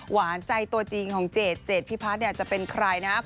หวานใจตัวจริงของเจดเจดพิพัฒน์เนี่ยจะเป็นใครนะครับ